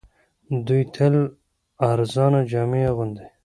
دوی تل ارزانه جامې اغوندي